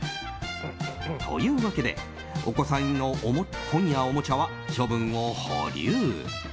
というわけで、お子さんの本やおもちゃは処分を保留。